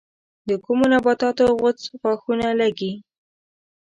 د کومو نباتاتو غوڅ ښاخونه لگي؟